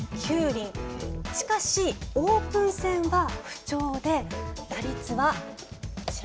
しかしオープン戦は不調で打率はこちら。